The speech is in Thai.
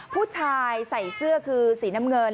ผู้ชายใส่เสื้อคือสีน้ำเงิน